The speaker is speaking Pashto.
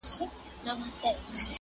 هر ماښام به رنگ په رنگ وه خوراكونه.!